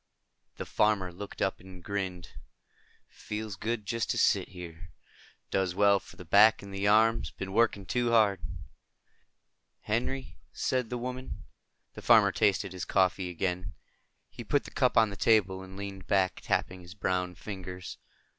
The farmer looked up and grinned. "Feels good. Just to sit here. Does well for the back and the arms. Been working too hard." "Henry," the woman said. The farmer tasted his coffee again. He put the cup on the table and leaned back, tapping his browned fingers.